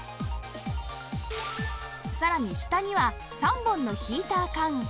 さらに下には３本のヒーター管